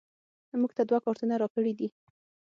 موږ ته دوه کارتونه راکړیدي